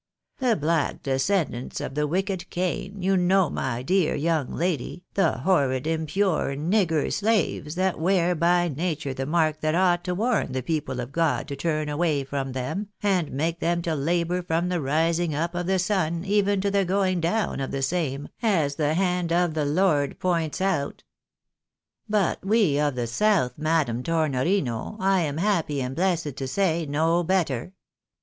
The black descendants of the wicked Cain, you know, my dear young lady, the horrid impure nigger slaves, that wear by nature the mark that ought to warn the people of God to turn away from them, and make them to labour from the rising up of the sun, even to the going down of the same, as the hand of the Lord points out. " But we of the south, Madam Tornorino, I am happy and blessed to say, know better.